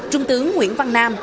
trung tướng nguyễn văn nam